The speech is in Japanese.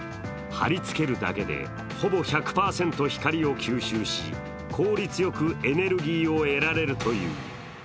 貼り付けるだけで、ほぼ１００％光を吸収し、効率よくエネルギーを得られるという。